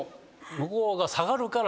向こうが下がるから。